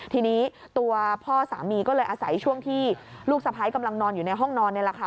ทีนี้ตัวพ่อสามีก็เลยอาศัยช่วงที่ลูกสะพ้ายกำลังนอนอยู่ในห้องนอนนี่แหละค่ะ